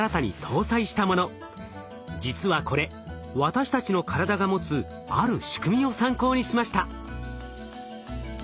実はこれ私たちの体が持つある仕組みを参考にしました。